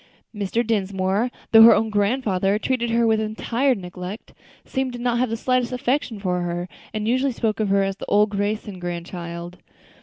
Mr. Dinsmore, though her own grandfather, treated her with entire neglect, seemed to have not the slightest affection for her, and usually spoke of her as "old Crayson's grandchild."